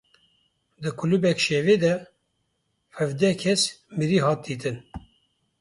Di klûbeke şevê de hevdeh kes mirî hatin dîtin.